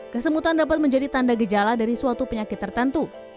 kesemutan dapat menjadi tanda gejala dari suatu penyakit tertentu